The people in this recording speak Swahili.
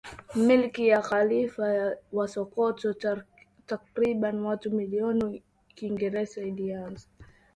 milki ya Khalifa wa Sokoto takriban watu milioni Uingereza ilianza